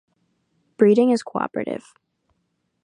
Breeding is cooperative.